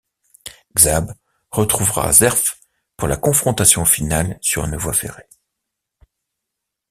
Xab retrouvera Zerph pour la confrontation finale sur une voie ferrée.